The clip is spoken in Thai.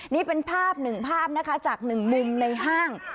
นี่เป็นภาพหนึ่งภาพนะคะจากหนึ่งมุมในห้าง